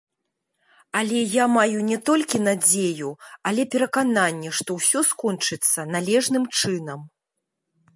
Але я маю не толькі надзею, але перакананне, што ўсё скончыцца належным чынам.